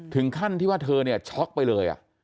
ถึงขั้นที่ว่าเธอเนี่ยช็อกไปเลย